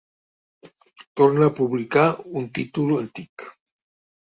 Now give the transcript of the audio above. Torna a publicar un títol antic.